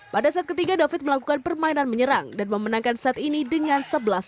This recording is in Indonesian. pada set ketiga david melakukan permainan menyerang dan memenangkan set ini dengan sebelas satu